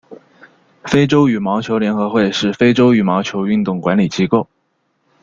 非洲羽毛球联合会是非洲羽毛球运动管理机构。